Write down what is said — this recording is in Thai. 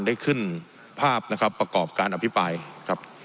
ได้ขึ้นภาพนะครับประกอบการอภิปรายครับ